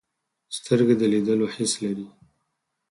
سترګې د لیدلو حس لري